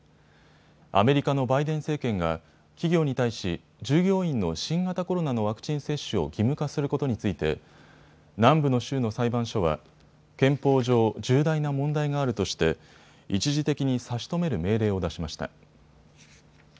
アメリカのバイデン政権が企業に対し従業員の新型コロナのワクチン接種を義務化することについて南部の州の裁判所は憲法上、重大な問題があるとして一時的に差し止める命令を出しました。